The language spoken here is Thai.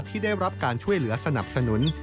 ที่ได้รับการช่วยเหลือสนับสนุน